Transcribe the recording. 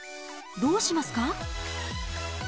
どうしますか？